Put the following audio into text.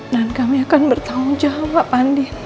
dan kami akan bertanggung jawab andin